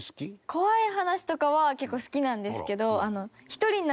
怖い話とかは結構好きなんですけど。